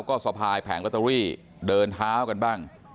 ก็สะพายแผงลอตเตอรี่เดินเท้ากันบ้าง